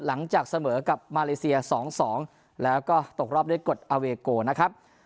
หลังจากเสมอกับมาเลเซีย๒๒แล้วก็ตกรอบด้วยกฎอาเวโกนะครับ